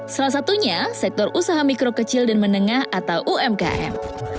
salah satunya sektor usaha mikro kecil dan menengah atau umkm